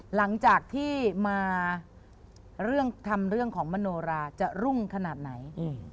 หลังจากที่มาเรื่องทำเรื่องของมโนราจะรุ่งขนาดไหน